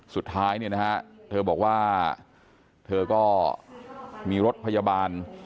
สุดท้ายเธอบอกว่าเธอก็มีรถพยาบาล